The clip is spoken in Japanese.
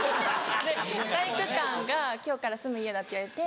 体育館が今日から住む家だって言われて。